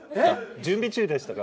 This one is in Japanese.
準備中でしたから。